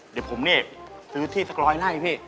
เดี๋ยวผมนี่ซื้อที่สักร้อยไร่พี่